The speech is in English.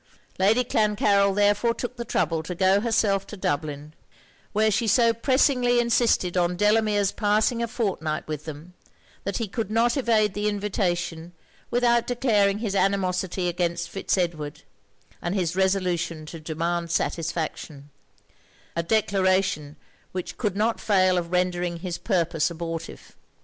Lady Clancarryl therefore took the trouble to go herself to Dublin: where she so pressingly insisted on Delamere's passing a fortnight with them, that he could not evade the invitation without declaring his animosity against Fitz Edward, and his resolution to demand satisfaction a declaration which could not fail of rendering his purpose abortive.